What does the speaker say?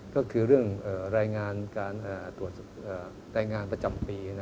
ก็แรงงานประจำปี